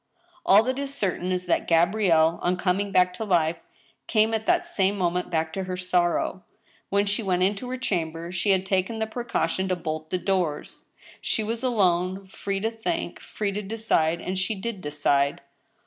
All that is certain is that Gabrielle, on coming back to life, came at that same moment back to her sorrow. When she went into her chamber, she had taken the precaution to bolt the doors. She was alone — free to think — free to decide ; and she did decide.